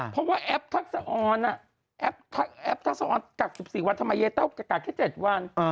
เพราะว่าแอปทักษะออนก่าว๑๔วันทำไมเจ้าก่าวก็ก่าว๗วัน